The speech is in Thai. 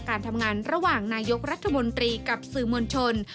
การทำงานระหว่างนายกรัฐมนตรีกับสื่อมวลชน